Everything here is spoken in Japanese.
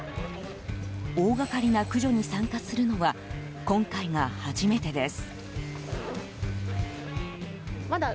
大がかりな駆除に参加するのは今回が初めてです。